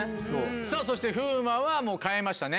さぁそして風磨はもう変えましたね。